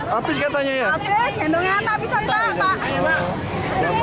habis yang ternyata bisa tiba tiba